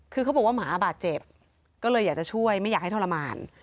คือเขาบอกว่าหมาบาดเจ็บก็เลยอยากจะช่วยไม่อยากให้ทรมาน